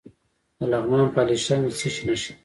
د لغمان په الیشنګ کې د څه شي نښې دي؟